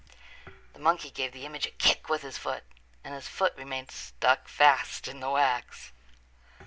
The monkey gave the image a kick with his foot and his foot remained stuck fast in the wax.